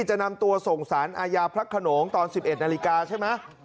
จะนำตัวส่งสารอาญาพระขนงตอน๑๑นาฬิกาใช่ไหม